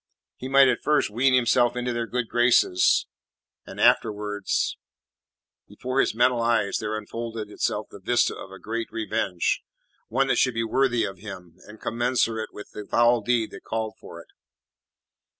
He might at first wean himself into their good graces, and afterwards Before his mental eyes there unfolded itself the vista of a great revenge; one that should be worthy of him, and commensurate with the foul deed that called for it.